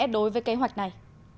đối với kế hoạch này